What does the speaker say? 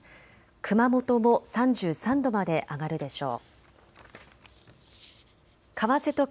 熊本も３３度まで上がるでしょう。